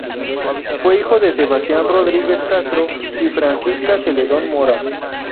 Fue hijo de Sebastián Rodríguez Castro y Francisca Zeledón Mora.